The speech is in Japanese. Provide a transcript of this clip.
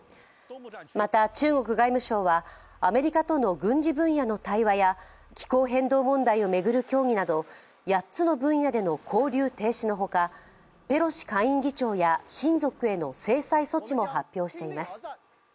また、中国外務省はアメリカとの軍事分野の対話や気候変動問題を巡る協議など８つの分野での交流停止のほかペロシ下院議長や親族への制裁措置も発表しています。